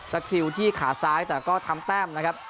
คริวที่ขาซ้ายแต่ก็ทำแต้มนะครับ